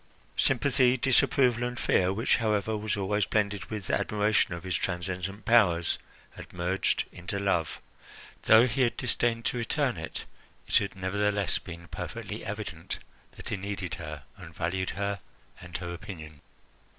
Sympathy, disapproval, and fear, which, however, was always blended with admiration of his transcendent powers, had merged into love. Though he had disdained to return it, it had nevertheless been perfectly evident that he needed her, and valued her and her opinion.